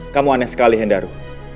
kamu aneh sekali hendaro